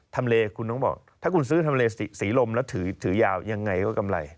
เลคุณต้องบอกถ้าคุณซื้อทำเลสีลมแล้วถือยาวยังไงก็กำไร